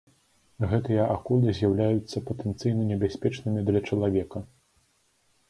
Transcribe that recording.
Гэтыя акулы з'яўляюцца патэнцыйна небяспечнымі для чалавека.